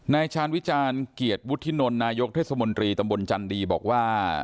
ชาญวิจารณ์เกียรติวุฒินลนายกเทศมนตรีตำบลจันดีบอกว่า